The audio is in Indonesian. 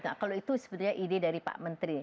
nah kalau itu sebenarnya ide dari pak menteri